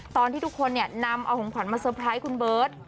ตอนที่ทุกคนนำเอาของขวัญมาเตอร์ไพรส์คุณเบิร์ต